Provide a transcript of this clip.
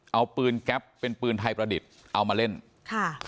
เอาปืนแก๊ปเป็นปืนไทยประดิษฐ์เอามาเล่นค่ะ